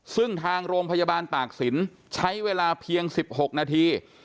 ซึ่งทางโรงพยาบาลตากศิลป์ใช้เวลาเพียง๑๖นาที